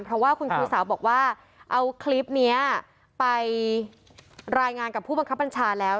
เพราะว่าคุณครูสาวบอกว่าเอาคลิปนี้ไปรายงานกับผู้บังคับบัญชาแล้ว